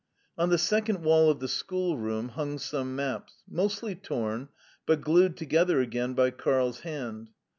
On the second wall of the schoolroom hung some maps mostly torn, but glued together again by Karl's hand.